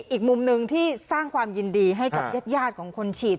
อีกมุมหนึ่งที่สร้างความยินดีให้กับญาติของคนฉีด